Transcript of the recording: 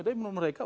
tapi menurut mereka